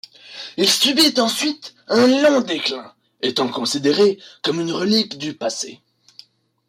Il subit ensuite un long déclin, étant considéré comme une relique du passé.